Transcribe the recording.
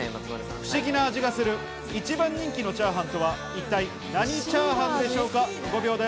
不思議な味がする一番人気のチャーハンとは一体何チャーハンでしょうか？